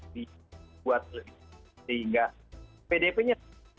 dibuat sehingga pdp nya